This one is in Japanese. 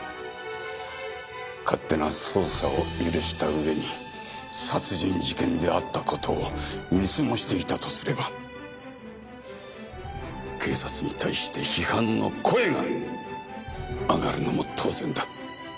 勝手な捜査を許した上に殺人事件であった事を見過ごしていたとすれば警察に対して批判の声が上がるのも当然だ。